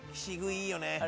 いいよね。